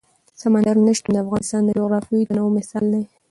سمندر نه شتون د افغانستان د جغرافیوي تنوع مثال دی.